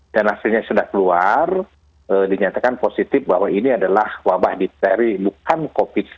dan hasilnya sudah keluar dinyatakan positif bahwa ini adalah wabah dipteri bukan covid sembilan belas